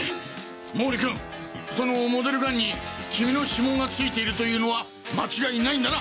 毛利君そのモデルガンに君の指紋が付いているというのは間違いないんだな！